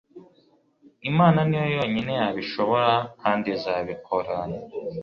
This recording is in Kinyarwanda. Imana niyo yonyine yabishobora kandi izabikora.